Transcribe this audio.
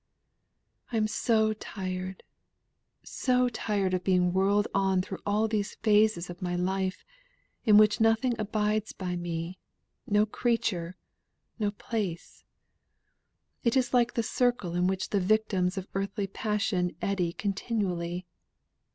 I am so tired so tired of being whirled on through all these phases of my life, in which nothing abides by me, no creature, no place; it is like the circle in which the victims of earthly passion eddy continually.